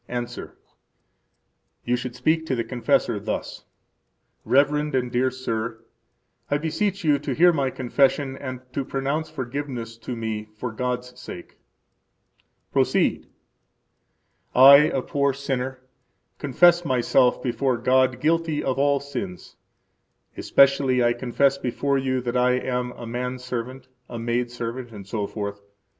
–Answer: You should speak to the confessor thus: Reverend and dear sir, I beseech you to hear my confession, and to pronounce forgiveness to me for God's sake. Proceed I, a poor sinner, confess myself before God guilty of all sins; especially I confess before you that I am a man servant, a maidservant, etc.